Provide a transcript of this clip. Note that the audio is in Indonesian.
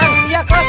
bentar iya kang